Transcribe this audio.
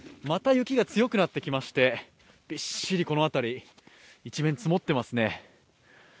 また雪が強くなってきましてびっしり、この辺り一面積もってますね。